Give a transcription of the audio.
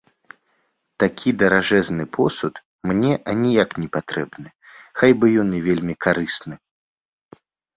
Такі даражэзны посуд мне аніяк непатрэбны, хай бы ён і вельмі карысны.